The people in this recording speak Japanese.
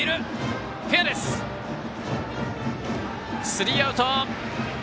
スリーアウト。